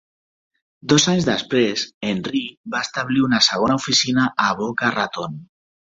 Dos anys després, Henry va establir una segona oficina a Boca Raton.